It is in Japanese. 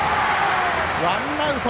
ワンアウト！